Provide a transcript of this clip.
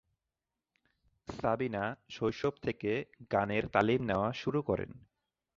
সাবিনা শৈশব থেকে গানের তালিম নেওয়া শুরু করেন।